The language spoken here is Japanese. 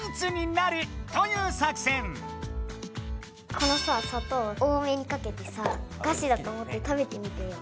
このさ砂糖を多めにかけてさおかしだと思って食べてみてよ。